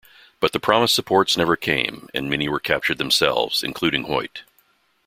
But the promised supports never came and many were captured themselves, including Hoyt.